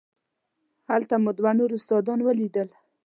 هلته مو یو دوه نور استادان ولیدل.